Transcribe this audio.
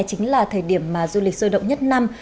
chính là thời điểm mà du lịch sôi động nhất năm